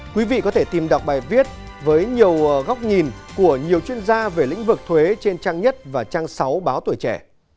quý vị có thể tìm đọc bài viết với nhiều góc nhìn của nhiều chuyên gia về lĩnh vực thuế trên trang nhất và trang sáu báo tuổi trẻ